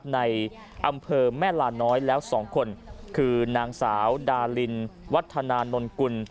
ในอำเภอแม่ลาน้อยแล้ว๒คนคือนางสาวดารินวัฒนานนกุล